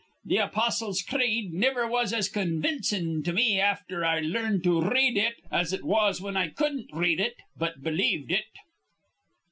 Th' Apostles' Creed niver was as con vincin' to me afther I larned to r read it as it was whin I cudden't read it, but believed it.'"